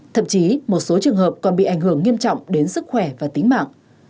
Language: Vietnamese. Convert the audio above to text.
thậm chí một số trường hợp còn bị ảnh hưởng nghiêm trọng đến sức khỏe và tính mạng